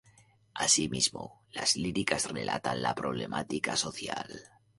Así mismo, las líricas relatan la problemática social.